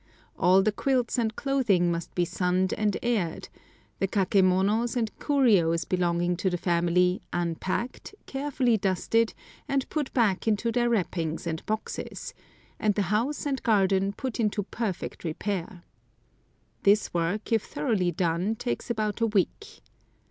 All the quilts and clothing must be sunned and aired, the kakémonos and curios belonging to the family unpacked, carefully dusted, and put back into their wrappings and boxes, and the house and garden put into perfect repair. This work, if thoroughly done, takes about a week.